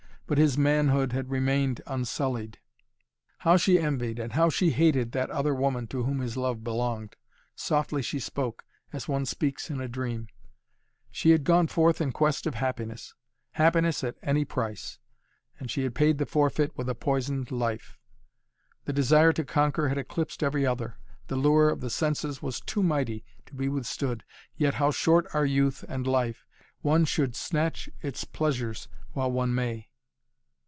But his manhood had remained unsullied. How she envied and how she hated that other woman to whom his love belonged. Softly she spoke, as one speaks in a dream. She had gone forth in quest of happiness happiness at any price. And she had paid the forfeit with a poisoned life. The desire to conquer had eclipsed every other. The lure of the senses was too mighty to be withstood. Yet how short are youth and life! One should snatch its pleasures while one may.